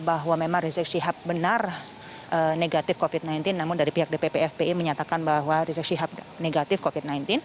bahwa memang rizik syihab benar negatif covid sembilan belas